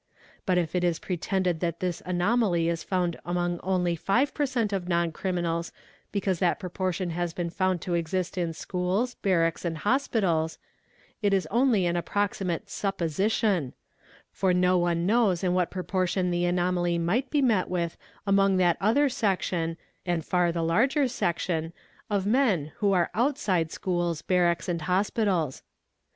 But if it is pretended that this anomaly 'is found among only 5 per cent. of non criminals because that proportion has been found to exist in schools, barracks and hospitals, it is only an approximate supposition; for no one knows in what proportion the anomaly | might be met with among that other section, and far the larger section, of men who are outside schools, barracks, and hospitals.